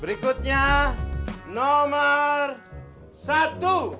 berikutnya nomor satu